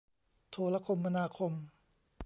โทรคมนาคม